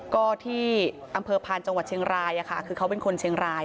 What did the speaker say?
ก็ที่อำเภอพานจังหวัดเชียงรายคือเขาเป็นคนเชียงราย